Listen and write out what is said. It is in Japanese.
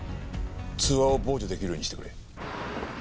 通話を傍受出来るようにしてくれ。